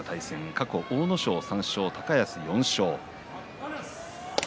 過去、阿武咲３勝、高安の４勝。